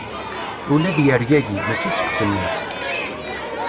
Ul ad yergagi, mačči seg semmiḍ.